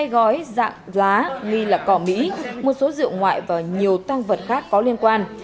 hai gói dạng gá nghi là cỏ mỹ một số rượu ngoại và nhiều tăng vật khác có liên quan